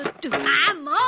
ああもう！